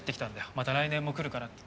また来年も来るからって。